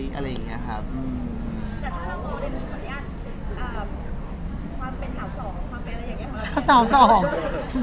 แต่ถ้าเรามองในหนุ่มขยะความเป็นสาวสองความเป็นอะไรยังไงครับ